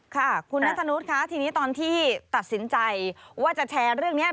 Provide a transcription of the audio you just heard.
ค่ะคุณนัทธนุษย์คะทีนี้ตอนที่ตัดสินใจว่าจะแชร์เรื่องนี้